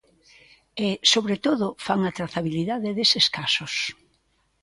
E, sobre todo, fan a trazabilidade deses casos.